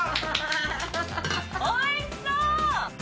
おいしそう！